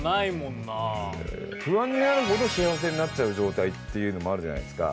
不安になるほど幸せになっちゃう状態っていうのもあるじゃないですか。